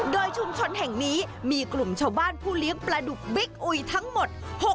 โดยชุมชนแห่งนี้มีกลุ่มชาวบ้านผู้เลี้ยงปลาดุกบิ๊กอุยทั้งหมด